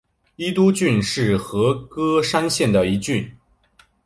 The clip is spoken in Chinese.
伊都郡是和歌山县的一郡。